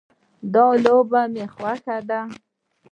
دا لوبه مې خوښه ده